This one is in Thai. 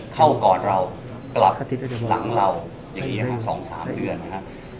เข้าก่อนเรากลับหลังเราอย่างนี้๒๓เดือนนะครับ